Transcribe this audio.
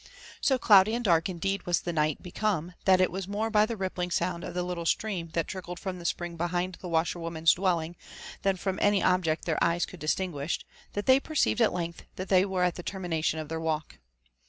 So cloudy and dark indeed was; the mght become, that it was more by the rippling sound of the little streamflhat trickled from the spring behind the washerwonsan'sdwelhng, than from any object their eyes could distinguish, that they perceived at length that they were at the termination of their walk.